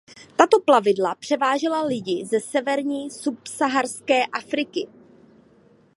Tato plavidla převážela lidi ze severní a subsaharské Afriky.